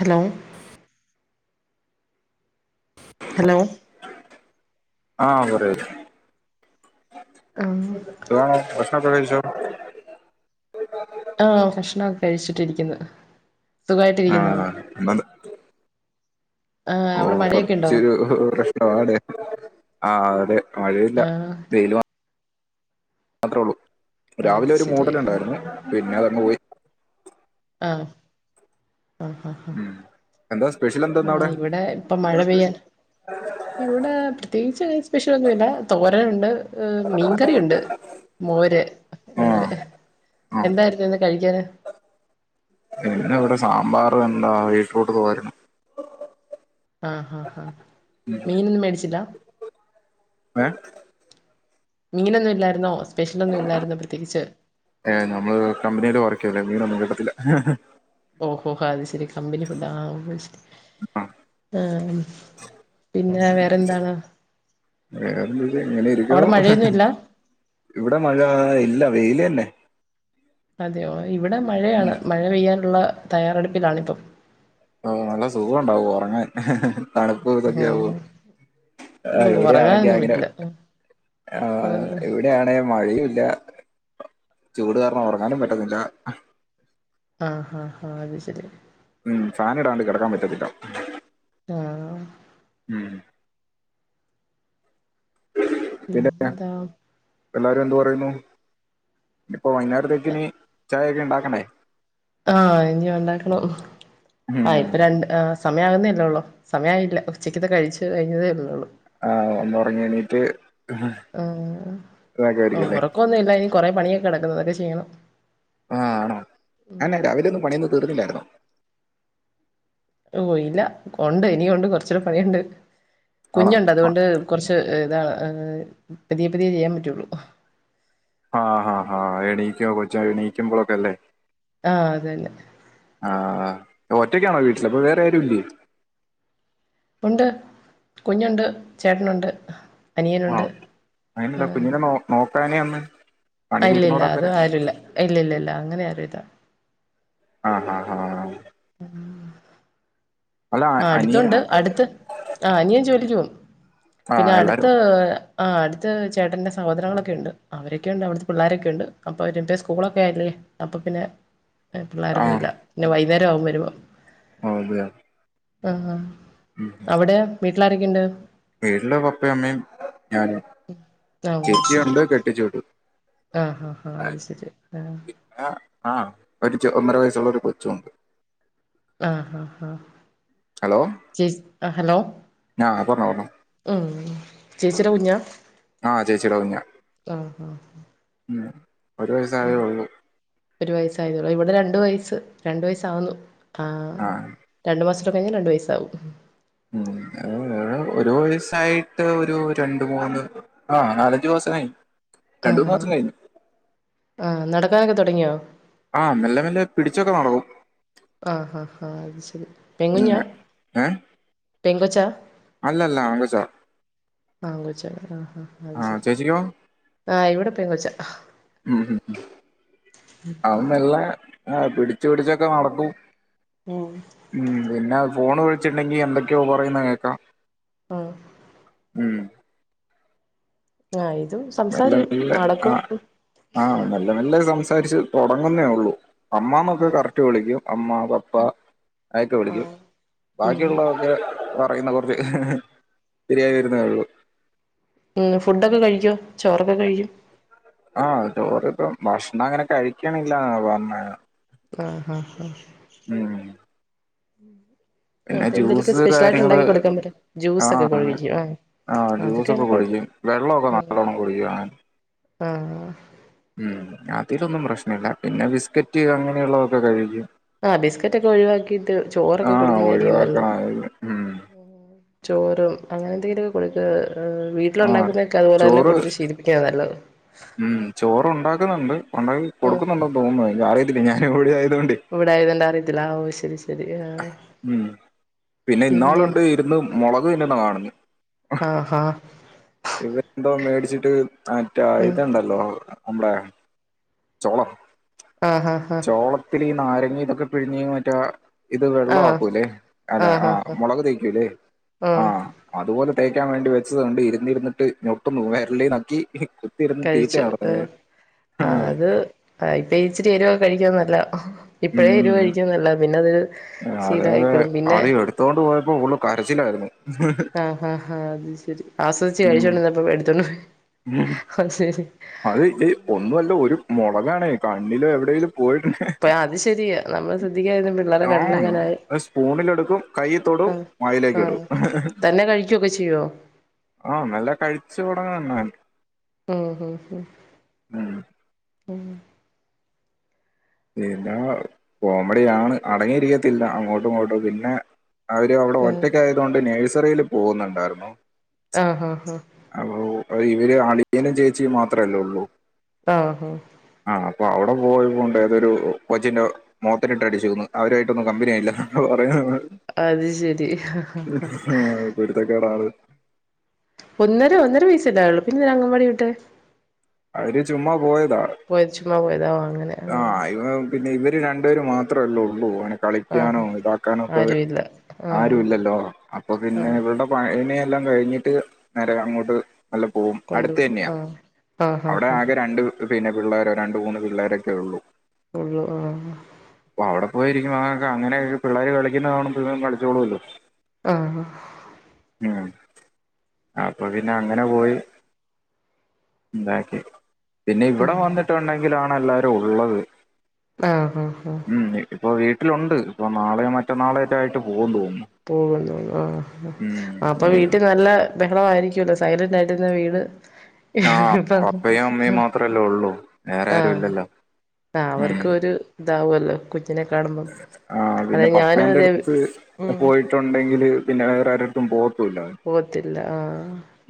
Hello hello ആ പറയു ആഹ ഇന്ന് എന്ത് കഴിച്ചു ആഹ ഭക്ഷണംൊക്കെ കഴിച്ചിട്ടിരിക്കുന്നു സുഖായിട്ടിരിക്കുന്നോ ആഹ നല്ലത് ആഹ് ഓ അവിടെ മഴയൊക്കെ ഉണ്ടോ കൊറച്ചൊരു പ്രശ്നം ആണ് ആ അതെ മഴയില്ല ആഹ് വെയില് മാത്രേ ഉള്ളൂ അത് രാവിലെ ഒരു ശരി മോഡല ആഹ് ഉണ്ടായിരുന്നു പിന്നെ അതങ്ങ് പോയി ആഹ ഉം എന്താ സ്പെഷ്യൽ എന്താന്ന് അവിടെ ആഹ് ഇവിടെ ഇപ്പം മഴ പെയ്യാൻ ഇവിടെ പ്രത്യേ [unintelligible] സ്പെഷ്യൽ ഒന്നുല്ല. തോരന് ഉണ്ട് ഏഹ് മീൻകറിയുണ്ട്. മോര് ആ അങ്ങനെ. ആ എന്തായിരുന്നുന്ന് കഴിക്കാന്? പ്പെവെന്താ വീറ്റ്റൂട്ട് തോരനും ആഹ് അഹ് അഹ് മീനൊന്നും മേടിച്ചില്ലാ ഏഹ് മീനൊന്നും ഇല്ലാരുന്നോ ഏഹ് നമ്മള് കമ്പനില് വർക്കെയുവല്ലേ മീനൊന്നും കിട്ട ത്തില്ലാ കമ്പിനി ഫുഡാ ആഹ് [unintelligible] ആ, ആഹ് പിന്നെ വേറെന്താണ് വേറെന്ത് ഇങ്ങനെ അവടെ ഇരിക്കുന്നു മഴയൊന്നുവില്ലാ വെയിലന്നെ അതെയോ ഇവടെ മഴയാണ് മഴ പെയ്യാനോള്ള തയ്യാറെടുപ്പിലാണിപ്പം ആഹ്‌ നല്ല സുഖം ഒണ്ടാവും ഒറങ്ങാൻ തണുപ്പും ഇതൊക്കെയാവുമ്പോ ഉം ഏഹ് ഇവിടെയാണെങ്കി ഉറങ്ങാനൊന്നും അങ്ങനെ പറ്റില്ല ആഹ് ഇവിടെയാണെ മഴയു ല്ലാ ചൂട് കാരണം ഒറങ്ങാനും പറ്റത്തില്ല ആഹ് ഹാ ഹാ അത് ശെരി ഉം ഫാന് ഇടാണ്ട് കെടക്കാൻ പറ്റത്തില്ല ആഹ് ഉം പിന്നെ പിന്നെന്താ? എല്ലാരും എന്ത് പറയുന്നു? ഇപ്പോ വൈന്നേരത്തേക്കിനി ചായൊക്കെ ണ്ടാക്കണെ ആ ഇനി ഒണ്ടാക്കണം ആ ഉം ഇപ്പൊ രണ്ട് ആ സമയാകുന്നല്ലേ ഉള്ളൂ സമയായില്ല ഉച്ചക്കത്തെ കഴിച്ച് കഴിഞ്ഞതല്ലേ ഉള്ളൂ ആ ഒന്നൊറങ്ങി എണീറ്റ് ആ ഇതാക്കുമായിരിക്കും അല്ലേ? ഒറക്കൊന്നുല്ല ഇനി കൊറെ പണിയാ കെടക്കുന്നത് അതൊക്കെ ചെയ്യണം ആഹ് അ എന്നാ രാവിലൊന്നും പണിയൊന്നും തീർന്നില്ലായിരുന്നോ ഓ ഇല്ല കൊണ്ട് ഇനി ഒണ്ട് കൊറച്ചൂടെ പണിയുണ്ട് ആണോ? കുഞ്ഞുണ്ട് അതോണ്ട് കൊർച്ച് ഇതാ ഏ പതിയേ പതിയേ ചെയ്യാൻ പറ്റുള്ളു ആഹ് ഹാ ഹാ എണീക്കോ കൊ എണീക്കുമ്പോഴൊക്കെ അല്ലേ ആ അതന്നെ ആഹ് ഒറ്റക്കാണോ വീട്ടില് അപ്പൊ വേറെ ആരും ഇല്ലേ? ഒണ്ട് കുഞ്ഞോണ്ട് ചേട്ടനൊണ്ട് ആഹ് അങ്ങനെയല്ലാ കുഞ്ഞിനെ നോ നോ ക്കാനെ ഒന്ന് പണി ഇല്ല ഇല്ല തീർന്നോടം അത് വരെ ആരുല്ല ഇല്ലില്ലല്ല അങ്ങനെയാരു ഇല്ല ആഹ് ആഹ് ആഹ് അല്ല ആഹ് അനിയൻ അടുത്തൊണ്ട് അടുത്ത് ആഹ് അനിയൻ ജോലിക്ക് പോകും ആഹ് പിന്നെ അടുത്ത് എല്ലാരും ആഹ് അടുത്ത് ചേട്ടന്റെ സഹോദരങ്ങളൊക്കെ ഒണ്ട് അവരൊക്കെ ഒണ്ട്‌ അവിടെ പിള്ളേരൊക്കെ ഒണ്ട് അപ്പൊ അവര് ഇപ്പ സ്കൂളൊക്കെ ആയില്ലേ അപ്പൊ പിന്നെ പിളേരൊന്നും ഇല്ല പിന്നെ വൈ കുന്നേരം ആവും വരുമ്പോ ആഹ് അതെയാ ആഹ് ആഹ് അവിടെ മി വീട്ടിൽ ആരൊക്കെണ്ട് വീട്ടില് പപ്പയും അമ്മയും ഞാനും ആഹ് ഓ അത് ചേച്ചി ശരി ഒണ്ട് കെട്ടിച്ചു വിട്ടു ആഹ് ആഹ് ആഹ് അത് ശരി ആഹ് പിന്നെ ആ ഒരു ഒന്നര വയസ്സുള്ള ഒരു കൊ ച്ചും ഒണ്ട് ആഹ് ഹാ ഹാ ഹലോ ചേ ആ ഹലോ ആ പറഞ്ഞോ പറഞ്ഞോ ഉം ചേച്ചിടെ കുഞ്ഞാ ആ ചേച്ചിയുടെ കുഞ്ഞാ ആഹ് ഹാ ഉം ഒരു വയസായേ ഒള്ളൂ സായത്തെ ഒള്ളോ ഇവിടെ രണ്ട് വയസ്സ് രണ്ടു വയസ്സാവുന്നു ആഹ് ആ രണ്ട് മാസം കഴിഞ്ഞാ രണ്ട് വയസ്സാവും ഉം ഏഹ് ഒരു വയസായിട്ട് ഒരു രണ്ട് മൂന്ന് ആഹ് നാലഞ്ചു മാസായി ആഹ് ആഹ് നട ക്കാനൊക്കെ തൊടങ്ങിയോ ആഹ് മെല്ലെ മെല്ലെ പിടിച്ചൊക്കെ നടക്കും ആഹ് ഹാ ഹാ അത് ശെരി ഉം പെങ്ങുഞ്ഞാ ഏ പെങ്കൊച്ചാ അല്ലല്ല ആങ്കൊച്ച ആങ്കൊച്ചാ ആഹ് അത് ശെരി ആഹ് ഇവിടെ പെങ്കൊച്ച അവൻ മെല്ലെ ആഹ് പിടി പിടിച്ചൊക്കെ നടക്കും ഉം ഉം പിന്നെ ഫോൺ വച്ചുണ്ടെങ്കി എന്തൊക്കെയോ പറയുന്നത് കേൾക്കാം ആഹ് ഉം ആയി നല്ല നല്ല ആ ആ നല്ല നല്ല സം സംസാരിച്ച് തുടങ്ങുന്നേ ഒള്ളൂ അമ്മമന്നൊക്കെ ആഹ് കററ്റ് വിളിക്കും അമ്മാ പപ്പാ അയക്കെ വിളിക്കും ആഹ് ഉം ബാക്കിയുള്ളതൊക്കെ വ പറയുന്ന കുറച്ച് ശരിയായി വരുന്നേഒള്ളൂ ഉം ഫുഡൊക്കെ കഴിക്കോ ചോറൊക്കെ കഴികോ ആ ചോറ് ഇപ്പ ഭക്ഷ്ണം അങ്ങനെ കഴിക്കണില്ല പറ്ണേ ആഹ് ഹ ഹാ ഉം പിന്നെ ജ്യൂസ് കാര്യങ്ങള് കൊടുക്കാൻ പറ്റും ആ ജ്യൂസൊക്കെ [unintelligible] കുഴക്കും ആഹ് ആ ജ്യൂസൊക്കെ അതൊക്കെയാണ് കുഴപ്പം കുടിക്കും വെള്ളമൊക്കെ നല്ലോണ്ണം കുടിക്കും അങ്ങനെ ആ ഉം അതിലൊന്നും പ്രശ്നഇല്ല പിന്നെ ബിസ്ക്കറ്റ് അങ്ങനെയുള്ളതൊക്കെ കഴിക്കും ആ ബിസ്കറ്റ് ഒക്കെ ഒഴിവാക്കിട്ട് ആ ചോറൊക്കെ കൊടുക്കുന്നയിരിക്കും നല്ലത് ഒഴിവാക്കണം അത് ഉം ആ ചോറും അങ്ങനെ എന്തെങ്കിലുമൊക്കെ കൊട്ക്ക് ആ ആ വീട്ടിലുണ്ടാക്കുന്നയൊക്കെ അതുപോലെ തന്നെ ചോറ് കൊടുത്ത് ശീലിപ്പിക്കുന്നതാ നല്ലത് ഉം ചോറ ഉണ്ടാക്കുന്നുണ്ട് ഉണ്ടാക്കി കൊടുക്കുന്നുണ്ടെന്ന് തോന്നുന്ന് എന്ക്ക് അറിയത്തില്ല ഞാന് എവിടെയാ ഇവിടായത് കൊണ്ട് അറിയത്തില്ല ആ ഓ ശരി ശ ഉം പിന്നെ ഇന്നാളുണ്ട് ഇരുന്ന് മുളക് തിന്നുന്ന കാണുന്ന് ആഹ് ഇവ എന്തോ മേടി ച്ചിട്ട് മറ്റേ ആഹ് ഇതണ്ടല്ലോ മ്മളെ ചോളം ആഹ് ആഹ് ചോളത്തില് ഈ നാര് ഇനി ഇതൊക്കെ പിഴിഞ് മറ്റാ ഇത് ആഹ് വെള്ളം ആക്കൂല്ലേ ആഹ് അല്ല ആഹ് ആ ആഹ് മുളക് തേക്കൂല്ലേ ആ ആഹ് അതുപോലെ ട്ടേക്കാൻ വേണ്ടി വെച്ചത് കൊണ്ട് ഇരുന്നിരുന്നിട്ട് മുട്ടൊന്നു വെരളി നക്കി കുത്തിയിരുന്ന് തീറ്റ കഴിച്ചു ങേ നടന്നത് അത് ആ ഇപ്പ ഇച്ചിരി എരുവൊക്കെ കഴിക്കുന്ന നല്ലതാ ഉം ഇപ്പഴേ എരുവ്കഴിക്ക്ന്നത് നല്ലതാ പിന്നത് അതെ അതെ അത് എടുത്തോണ്ട് പോയപ്പോ ഫുളള് കരച്ചിലായിരുന്നു ആഹ് ആഹ് ആഹ് അത് ശരി ആസ്വദിച്ചു ഉം കഴിച്ചോണ്ട്ന്നപ്പോ എടുത്തോണ്ട് പോയി ഉം ഹ്.. അത് ശരി അത് ഇച്ച് ഒന്നു അല്ല ഒരു മുളകാണേ കണ്ണിലും എവിടേലും പോയിട്ടു അപ്പ അത് ശരിയാ നമ്മള് ശ്രദ്ധിക്കാതിരുന്ന പിള്ളേരെ ആഹ്... കണ്ണിലെങ്ങാനായി അത് സ്പൂണിലെടുക്കും കൈയ്യിതൊടും ആഹ് വായിലേക്കിടും ആഹ് തന്നെ കഴിക്കുവൊക്കെ ചെയ്യുവോ ആഹ് നല്ല കഴിച്ചോടാ ഉം ഉം ഉം ഉം പിന്നാ കോമഡിയാണ് അടങ്ങിയിരിക്കത്തില്ല അങ്ങോട്ടും ഇങ്ങോട്ടും പിന്നെ അവര് അവടെ ഉം ഒറ്റക്കായതുകൊണ്ട് നേഴ്സ് [unintelligible] പോവുന്നുണ്ടായിര്ന്നോ ആഹ ഹ അ ഇവര് അളിയനും ചേച്ചിയും മാത്രല്ലേ ഉള്ളൂ ആഹ ആ അപ്പൊ അവിടെ പോയിങ്ങോണ്ട് ഇതൊരു കൊച്ചിൻ്റെ മോന്ത കിട്ടട്ടിച്ചൂന്ന് അവരു ആയിട്ടൊന്നും കമ്പിനിയായില്ല പറയുന്ന അത് ശരി [unintelligible] ഉം കുരുത്തക്കേടാണ് ഒന്നര ഒന്നര വയസ് അല്ലേ ആയുള്ളൂ പിന്നെ എന്തിനാ അങ്ങൻ വാടി വിട്ടെ അവര് ചുമ്മാ പോയതാ ചുമ്മാ പോയതാ ഓ അങ്ങനെ ആ ആഹ് [unintelligible] പിന്നെ ഇവര് രണ്ടേരും മാത്രല്ലേ ഉള്ളൂ [unintelligible] ആഹ് കളിക്കാനോ ഇതാക്കാനോ ഒക്കെ ആരും ഇല്ല ആഹ് ആരുല്ലല്ലോ അപ്പൊ പിന്നെ ആഹ് ഇവള്ടെ പ്രായ എല്ലാം കഴിഞ്ഞിട്ട് നേരെ അങ്ങോട്ട് അല്ല പോവും കൊണ്ടു അടുത്തന്നെയാ ആഹ് ആഹ് അവടെ ആഹ് ആഹ് ആകെ രണ്ട് പിന്നെ പിള്ളേരോ രണ്ടു മൂന്ന് പിള്ളേരെ [unintelligible] ഉള്ളൂ ഉള്ളു ആ ഹാ അപ്പൊ അവിടെ പോയിരിക്കും അങ്ങൊക്കെ അങ്ങനെയെക്കെ പിള്ളേര് കളിക്കുന്ന കാണുമ്പോൾ ഇവനും കളിച്ചോളു അല്ലോ ആഹ ഉം അപ്പൊ പിന്നെ അങ്ങനെ പോയി എന്താക്കി പിന്നെ ഇവടെ വന്നിട്ടുണ്ടെങ്കിലാ നല്ല ഉള്ളത് ആഹ് ആഹ് ആഹ്- വീട്ടില് ഒണ്ട് ഇപ്പോ നാളെ മറ്റന്നാളോ ഒക്കെ ആയിട്ടേ പോവ്ള്ളൂ- പോകുന്നു ആ അപ്പോ ഉം വീട്ടിൽ നല്ല ബഹളവായിരിക്കും ലോ സൈലന്റ് ആയിട്ടരുന്ന വീട് ആ ഇപ്പ ആഹ് പപ്പയും അമ്മയും മാത്രല്ലേ ഉള്ളു ആഹ് ആ അവർക്ക് ഒരു ദാ ആവ്വല്ലോ കു ആ പിന്നെ പപ്പേൻ്റെ അതെ അടുത്ത് ഉം പോയിട്ടുണ്ടെങ്കില് പിന്നെ വേറാരു ത്തും പോവ പോവത്തില്ല ആ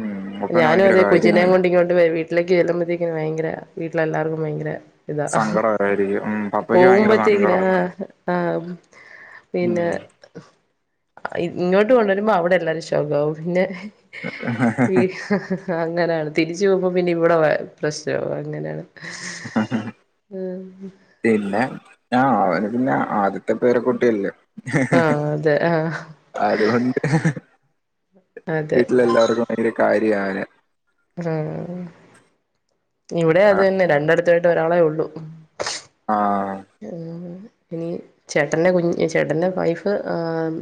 ഉം പപ്പന് ഞാനും ഭയങ്കര അതെ കുഞ്ഞിനെം കാര്യമാണ് കൊണ്ടിങ്ങോട്ട് വര് വീട്ടിലേക്ക് ചെല്ലുമ്പോത്തേക്ക വയങ്കര വീട്ടിലെല്ലാർക്കും ഭയങ്കര ഇതാ സങ്കടമായിരിക്കും ഉം പപ്പയ്ക്ക് ഭയങ്കര പോകുമ്പോത്തേക്കിന സങ്കടം ആ ആ പിന്നെ ഉം ഇങ്ങോട്ട് കൊണ്ടരുമ്പോ അവിടെ എല്ലാരും ശ് ശോകാവും പിന്നെ- വീ അങ്ങനാണ് തിരിച്ചു പോവൂമ്പോ പിന്നെ ഇവടെ പ്രശ്നമാവും അങ്ങനെയാണ് ഏഹ് ആ അവന് പിന്നെ ആദ്യത്തെ പേരക്കുട്ടിയല്ലേ? ആഹ് അതെ ആഹ് അതുകൊണ്ട് അതെ വീട്ടിലെല്ലാവർക്കും ഭയങ്കര കാര്യ ര്യാവനെ ആ ആ ഇവിടെ ആഹ് അതന്നെ രണ്ടടത്ത- ഒരാളേ ഉള്ളൂ ആ ഇനി ചേട്ടന്റെ കുഞ്ഞ് ചേട്ടറെ വൈഫ് ഏഹ് ഉം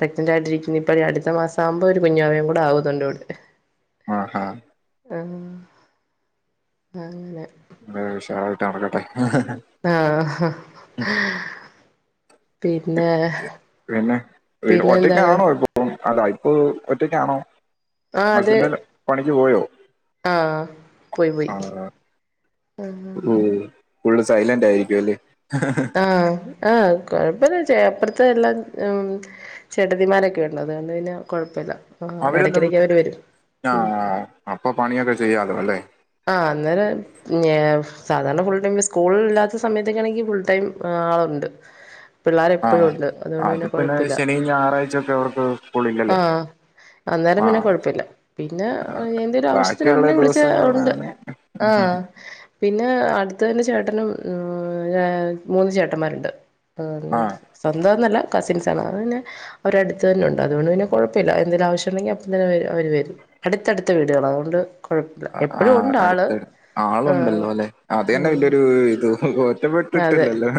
പ്രഗ്നന്റ് ആയിട്ടിരിക്കുന്നു. ഇപ്പഴേ അടുത്ത മാസം ആകുമ്പോ ഒരു കുഞ്ഞുവാവേയും കൂടെ ആവുന്നുണ്ട് ഇവിടെ. ആഹാ ആ അങ്ങനെ ഉഷാറായിട്ട് നടക്കട്ടെ ആ പിന്നെ പിന്നെ എന്താണ് ഒറ്റക്കാണോ ഇപ്പോ അതാ ഇപ്പോ ഒറ്റക്കാണോ? ആ അത് മതിന്റെ പണി പോയോ ആ പോയി പോയി ആ ഓ ഫുള്ള് സൈലന്റായിരിക്കും അല്ലേ ആ ആ കൊഴപ്പല്ലച്ചായ അപ്പർത്തെ എല്ലാം ആം ചേട്ടത്തിമാരൊക്കെയുണ്ട് അതുകൊണ്ട് പിന്നെ കൊഴപ്പല്ല അവരൊന്നും ആ അപ്പൊ പണിയൊക്കെ ചെയ്യാലോ അല്ലേ ആ അന്നേരം ഞാ സാധാരണ ഫുൾടൈം ഈ സ്കൂളില്ലാത്ത സമയത്തൊക്കൊയാണെങ്കി ഫുൾടൈം ആളുണ്ട് പിള്ളാര് ആ എപ്പഴുംണ്ട് അതുകൊണ്ട് അത് പിന്നെ കൊഴപ്പില്ല ശനി ഞായറാഴ്ച ഒക്കെ അവർക്ക് ആ സ്കൂളില്ലല്ലോ അന്നേരം ആ പിന്നെ കൊഴപ്പില്ല പിന്നെ ആ, എന്തേലും ആവശ്യത്തിന് ബാക്കിയുള്ള ഉടനെ വിളിച്ചാ ഉണ്ട് ദിവസങ്ങളാണ് ആ പി പിന്നെ അട്ത്ത്തന്നെ ചേട്ടനും ഉം മൂന്ന് ചേട്ടന്മാരുണ്ട് ആ [unintelligible] സ്വന്തോന്നല്ല കസിൻസാണ് അ പിന്നെ അവരടുത്ത് തന്നെയുണ്ട് അതുകൊണ്ട് പിന്നെ കൊഴപ്പവില്ല എന്തെലും ആവശ്യം ഉണ്ടെങ്കിൽ അപ്പതന്നെ അവര് വരും അടുത്തടുത്ത വീടുകളാ അതുകൊണ്ട് കൊഴപ്പ എപ്പ് ആ അട്ത്തട് ആളുണ്ടല്ലോല്ലെ അത് തന്നെ ഉം വല്യൊരു ഇത് അതെ ഒറ്റപ്പെട്ടിട്ടില്ലല്ലോ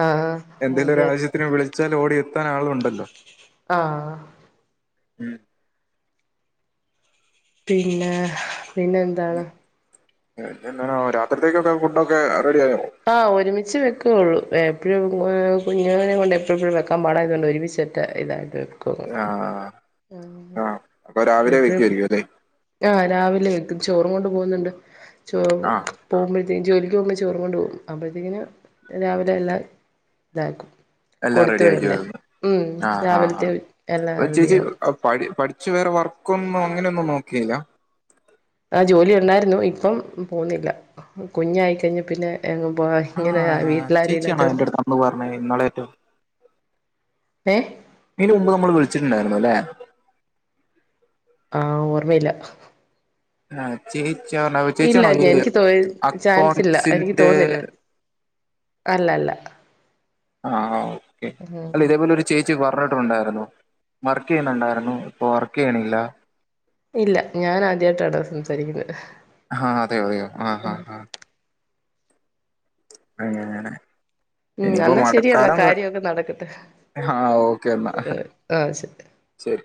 ആഹ് എന്തേലും അതെ ഒരാവശ്യത്തിന് വിളി ച്ചാല് ഓടിയെ ത്താൻ ആളുണ്ടല്ലോ ആഹ് ഉം പിന്നെ പിന്നെന്താണ് പിന്നെന്താണ് രാത്രിത്തേക്കൊക്കെ ഫുഡൊക്കെ റെഡി ആയോ ആ ഒരുമിച്ച് വെക്കാെള്ളൂ ഏ എപ്പഴും ഏ കുഞ്ഞാവനെം കൊണ്ട് എപ്പഴെപ്പോഴും വെക്കാൻ പാടായത് കൊണ്ട് ഒരുമിച്ചൊറ്റ ഇതായിട്ട് വെ ആ ആ പ്പൊ രാവിലെ എപ്പോഴും വെക്കുവായിരിക്കും അല്ലെ ആഹ് രാവിലെ വെക്കും ചോറും കൊണ്ട്പോക്ന്ന്ണ്ട് ചോറ് ആ പോവുമ്പഴെ [unintelligible] ജോലിക്ക് പോകുമ്പോ ചോറും കൊണ്ട് പോകും അപ്പോഴത്തേക്ക്നു രാവിലെ എല്ലാം താക്കും എല്ലാം റെഡിയാക്കി വരുന്നു രാവിലത്തെ ആ എല്ലാം പ്പ ചേച്ചി റെഡിയാവും പടി പടി ച്ച് വേറെ വർക്കൊന്നും അങ്ങനെയൊന്നും നോക്കിയില്ല ആ ജോലിയുണ്ടായ്രുന്നു ഇപ്പം പോകുന്നില്ല കുഞ്ഞായിക്കഴിഞ്ഞെ പിന്നെ എങ്ങും പോ ആ ഇങ്ങനെ വീട്ടിലാരും ചേച്ചിയാണോ ഇല്ലാത്തോണ്ട് എന്റെടുത്ത് അന്ന് പറഞ്ഞേ ഇന്നളെറ്റോ ഏഹ് ഇയ്നൂമുമ്പ് നമ്മൾ വിളിച്ചി ണ്ടായ്ര്ന്നുല്ലേ ആ ഓർമ്മയില്ല ആ ചേ ഇല്ല എനിക്ക് തോയി ചാൻസ് ഇല്ല എനിക്ക് അക്കൗണ്ട്സിന്റെ തോന്നില്ല അല്ല അല്ല ആഹ് ഓക്കെ അല്ല ഇതേപോലെ ഒരു ചേച്ചി വ റിട്ടുണ്ടായിരുന്നു വർക്ക് ചെയ്യുന്നുണ്ടായിരുന്നു ഇപ്പൊ വർക്ക് ചെയ്യണില്ല ഇല്ല ഞാൻ ആദ്യമായിട്ടാടോ സംസാരിക്കുന്നെ ആഹ് അതേയോ അതേയോ ആഹ് ആഹ് ആഹ് അങ്ങനാണ് ഉം എന്നാ ശരി എന്ന കാര്യൊവൊക്കെ നടക്കട്ടെ ആ ഓക്കെ എന്നാ ആഹ് ശരി ശരി